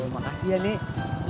makasih ya nek